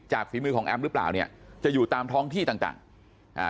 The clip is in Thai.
ฝีมือของแอมหรือเปล่าเนี่ยจะอยู่ตามท้องที่ต่างต่างอ่า